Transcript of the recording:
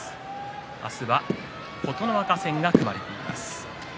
明日は琴ノ若戦が組まれています。